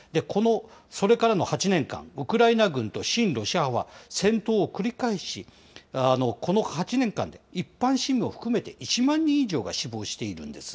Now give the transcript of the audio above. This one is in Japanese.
それからの８年間、ウクライナ軍と親ロシア派は戦闘を繰り返し、この８年間で一般市民を含めて１万人以上が死亡しているんです。